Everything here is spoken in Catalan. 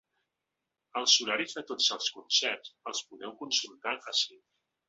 Els horaris de tots els concerts els podeu consultar ací.